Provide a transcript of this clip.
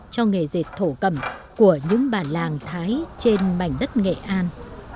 cho nghề dệt thổ cầm của những bản làng thái trên mảnh đất nghệ an